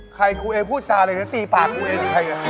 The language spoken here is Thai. ใครกูเองพูดจาเลยแล้วตีปากกูเอง